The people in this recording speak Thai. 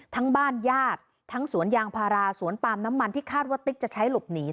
ทั้งบ้านญาติทั้งสวนยางพาราสวนปามน้ำมันที่คาดว่าติ๊กจะใช้หลบหนี